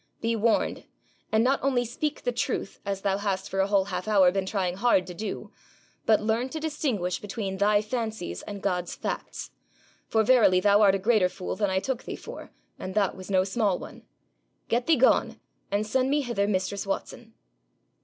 Be warned, and not only speak the truth, as thou hast for a whole half hour been trying hard to do, but learn to distinguish between thy fancies and God's facts; for verily thou art a greater fool than I took thee for, and that was no small one. Get thee gone, and send me hither mistress Watson.'